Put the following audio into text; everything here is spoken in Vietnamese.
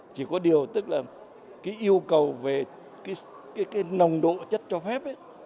chỉ có điều tức là yêu cầu về nồng độ chất cho phép